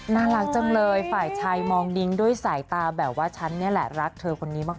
น่ารักจังเลยฝ่ายชายมองดิ้งด้วยสายตาแบบว่าฉันนี่แหละรักเธอคนนี้มาก